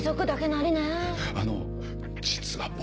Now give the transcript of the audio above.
あの実は僕。